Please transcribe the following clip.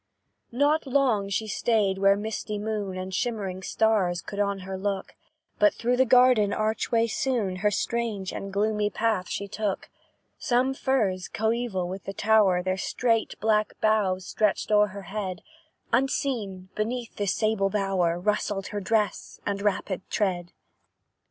Not long she stayed where misty moon And shimmering stars could on her look, But through the garden archway soon Her strange and gloomy path she took. Some firs, coeval with the tower, Their straight black boughs stretched o'er her head; Unseen, beneath this sable bower, Rustled her dress and rapid tread.